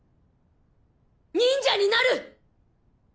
忍者になる！